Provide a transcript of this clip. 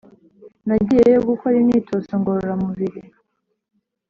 nagiyeyo gukora imyitozo ngororamubiri